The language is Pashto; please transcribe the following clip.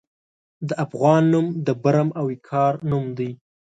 د افغان نوم د برم او وقار نوم دی.